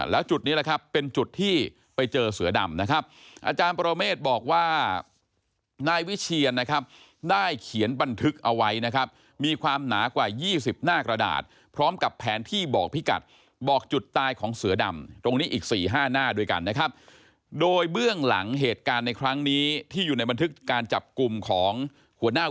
แล้วจุดนี้แหละครับเป็นจุดที่ไปเจอเสือดำนะครับอาจารย์ปรเมฆบอกว่านายวิเชียนนะครับได้เขียนบันทึกเอาไว้นะครับมีความหนากว่า๒๐หน้ากระดาษพร้อมกับแผนที่บอกพิกัดบอกจุดตายของเสือดำตรงนี้อีก๔๕หน้าด้วยกันนะครับโดยเบื้องหลังเหตุการณ์ในครั้งนี้ที่อยู่ในบันทึกการจับกลุ่มของหัวหน้า